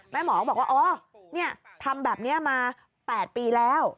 หมอก็บอกว่าอ๋อนี่ทำแบบนี้มา๘ปีแล้ว